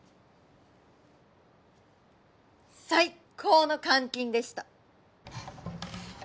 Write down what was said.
最高の監禁でした。